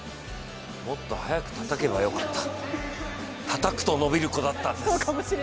もっと早くたたけばよかった、たたくと伸びる子だったんです。